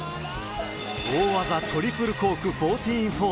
大技、トリプルコーク１４４０。